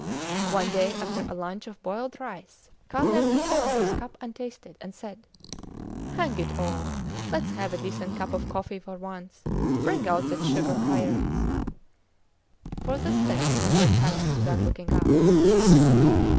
One day after a lunch of boiled rice, Carlier put down his cup untasted, and said: Hang it all! Lets have a decent cup of coffee for once. Bring out that sugar, Kayerts! For the sick, muttered Kayerts, without looking up.